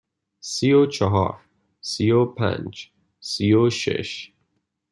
سی و چهار، سی و پنج، سی و شش.